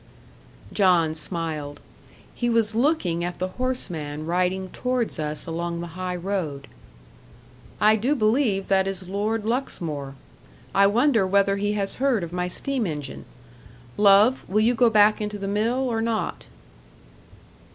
John smiled; he was looking at the horseman riding towards us along the high road. "I do believe that is Lord Luxmore. I wonder whether he has heard of my steam engine. Love, will you go back into the mill or not?"